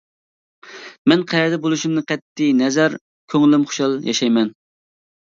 مەن قەيەردە بولۇشۇمدىن قەتئىينەزەر كۆڭلۈم خۇشال ياشايمەن.